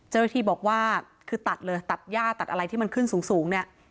เจ้าหน้าที่บอกว่าคือตัดเลยตัดย่าตัดอะไรที่มันขึ้นสูงเนี่ย